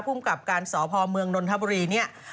ภูมิกับการสพเมืองนนทบุรีเนี่ย